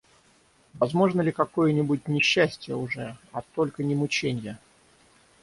Возможно ли какое-нибудь не счастье уже, а только не мученье?